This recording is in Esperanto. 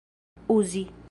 uzi